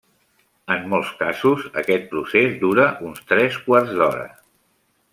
En molts casos, aquest procés dura uns tres quarts d'hora.